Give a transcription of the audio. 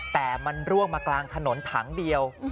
แต่มันร่วงมากลางถนนถังเดียว